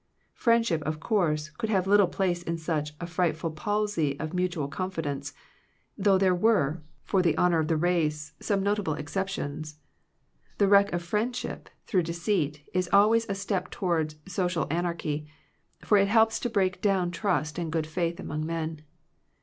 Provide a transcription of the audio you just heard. Friend ship, of course, could have little place in such a frightful palsy of mutual confi dence, though there were, for the honor 159 Digitized by VjOOQIC THE WRECK OF FRIENDSHIP of the race, some noble exceptions. The wreck of friendship through deceit is al* ways a step toward social anarchy; for it helps to break down trust and good faith among men.